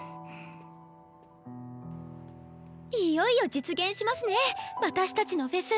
いよいよ実現しますね私たちのフェス。